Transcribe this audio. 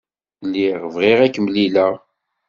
Lliɣ bɣiɣ ad k-mlileɣ.